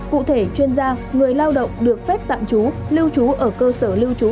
cụ thể chuyên gia người lao động được phép tạm trú lưu trú ở cơ sở lưu trú